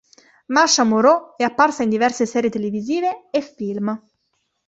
Marsha Moreau è apparsa in diverse serie televisive e film.